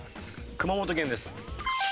熊本県です。